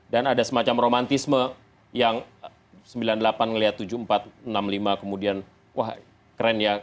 dan ada semacam romantisme yang sembilan puluh delapan melihat tujuh puluh empat enam puluh lima kemudian wah keren ya